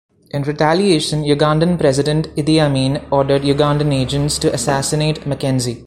In retaliation, Ugandan President Idi Amin ordered Ugandan agents to assassinate McKenzie.